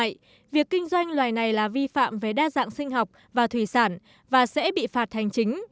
vì vậy việc kinh doanh loài này là vi phạm về đa dạng sinh học và thủy sản và sẽ bị phạt hành chính